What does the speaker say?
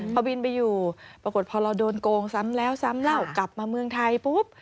พอบินไปอยู่ปรากฏพอเราโดนโกงซ้ำแล้วซ้ำเล่ากลับมาเมืองไทยปุ๊บ